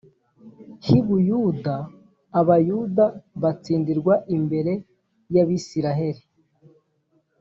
h i buyuda abayuda batsindirwa imbere y abisiraye